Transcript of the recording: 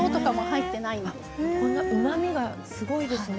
うまみがすごいですね。